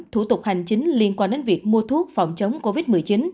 thủ tục hành chính liên quan đến việc mua thuốc phòng chống covid một mươi chín